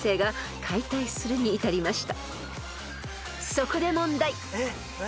［そこで問題］